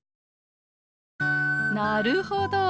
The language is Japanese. なるほど。